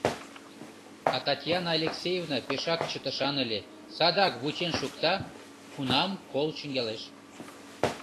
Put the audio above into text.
А Татьяна Алексеевна пешак чытышан ыле — садак вучен шукта, кунам кол чӱҥгалеш...